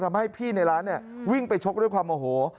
ทำให้พี่ในร้านวิ่งไปชกด้วยความโอโห